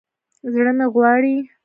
زړه مې غواړي